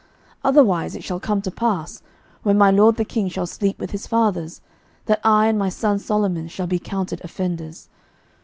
11:001:021 Otherwise it shall come to pass, when my lord the king shall sleep with his fathers, that I and my son Solomon shall be counted offenders.